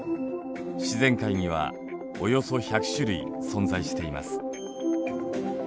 自然界にはおよそ１００種類存在しています。